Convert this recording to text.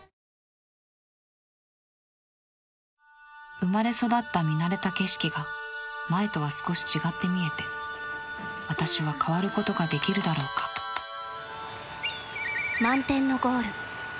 生まれ育った見慣れた景色が前とは少し違って見えて私は変わることができるだろうか「満天のゴール」。